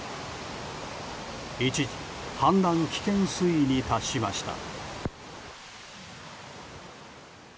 一時、氾濫危険水位に達しました。